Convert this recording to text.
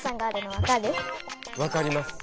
分かります。